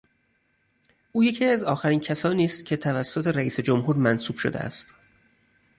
او یکی از آخرین کسانی است که توسط رئیس جمهور منصوب شده است.